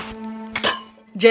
jake bekerja berjalan